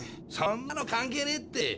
そんなの関係ねえって。